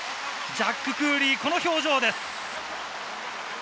ジャック・クーリー、この表情です。